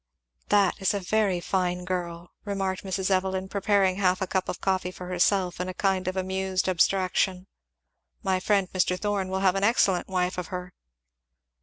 "That is a very fine girl," remarked Mrs. Evelyn, preparing half a cup of coffee for herself in a kind of amused abstraction, "my friend Mr. Thorn will have an excellent wife of her."